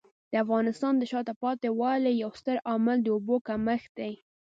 د افغانستان د شاته پاتې والي یو ستر عامل د اوبو کمښت دی.